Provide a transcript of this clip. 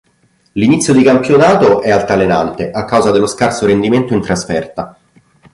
L'inizio di campionato è altalenante, a causa dello scarso rendimento in trasferta.